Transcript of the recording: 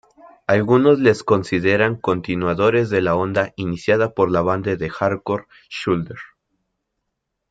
Algunos les consideran continuadores de la onda iniciada por la banda de hardcore Shoulder